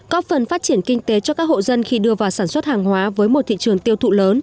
có phần phát triển kinh tế cho các hộ dân khi đưa vào sản xuất hàng hóa với một thị trường tiêu thụ lớn